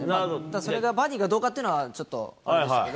それがバディかどうかっていうのは、ちょっとあれですけど。